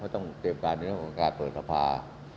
ก็ต้องเตรียมประโยชน์การเปิดภาคประชาลัทธ์